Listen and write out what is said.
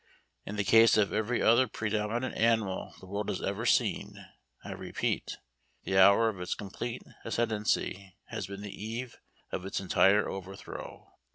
In the case of every other predominant animal the world has ever seen, I repeat, the hour of its complete ascendency has been the eve of its entire overthrow.